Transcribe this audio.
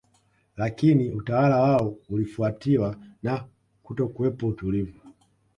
Lakini utawala wao ulifuatiwa na kutokuwepo utulivu